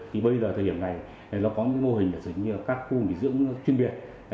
thì bây giờ thời điểm này nó có những mô hình giống như các khu mỹ dưỡng chuyên biệt